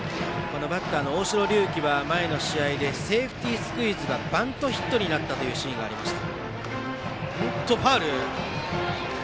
バッターの大城龍紀は前の試合でセーフティースクイズがバントヒットになったそういうシーンがありました。